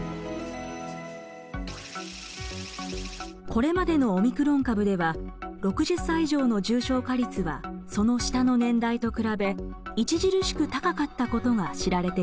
これまでのオミクロン株では６０歳以上の重症化率はその下の年代と比べ著しく高かったことが知られています。